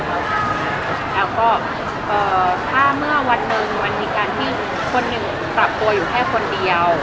แล้วก็ถ้าเมื่อวันหนึ่งมันมีการที่คนหนึ่งปรับตัวอยู่แค่คนเดียว